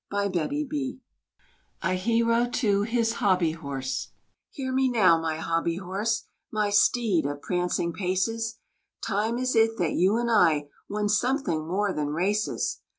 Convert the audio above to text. A HERO TO HIS HOBBY HORSE. Hear me now, my hobby horse, my steed of prancing paces! Time is it that you and I won something more than races.